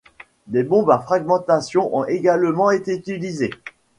Des bombes à fragmentation ont également été utilisées.